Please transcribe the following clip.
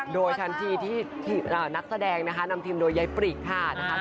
โดยทันทีที่นักแสดงนะคะนำทีมโดยยายปริกค่ะนะคะ